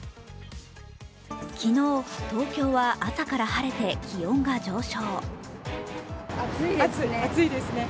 昨日、東京は朝から晴れて気温が上昇。